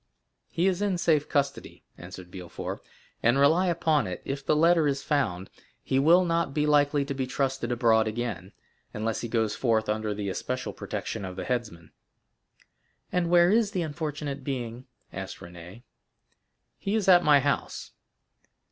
"He is in safe custody," answered Villefort; "and rely upon it, if the letter is found, he will not be likely to be trusted abroad again, unless he goes forth under the especial protection of the headsman." "And where is the unfortunate being?" asked Renée. "He is at my house."